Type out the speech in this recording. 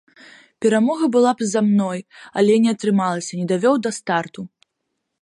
Перамога была б за мной, але не атрымалася, не давёў да старту.